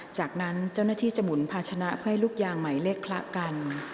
จากนั้นเจ้าหน้าที่จะหมุนภาชนะเพื่อให้ลูกยางหมายเลขคละกัน